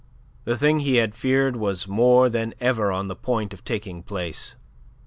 The thing he had feared was more than ever on the point of taking place.